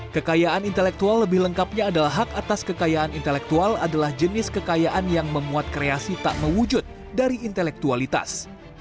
kekayaan intelektual lebih lengkapnya adalah hak atas kekayaan intelektual adalah jenis kekayaan yang memuat kreasi tak mewujud dari intelektualitas